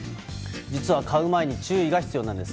実は、買う前に注意が必要なんです。